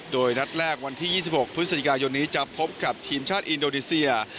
โดยนัดแรกวันที่๒๖พฤศจิกายนนี้จะพบกับทีมชาติอินโดนีเซีย